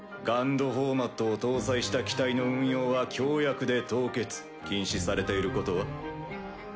フォーマットを搭載した機体の運用は協約で凍結禁止されていることは？